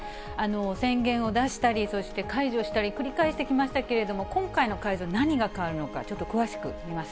宣言を出したり、そして解除したり繰り返してきましたけれども、今回の解除、何が変わるのか、ちょっと詳しく見ます。